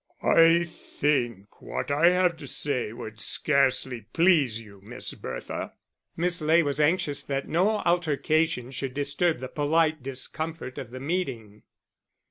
"I think what I have to say would scarcely please you, Miss Bertha." Miss Ley was anxious that no altercation should disturb the polite discomfort of the meeting.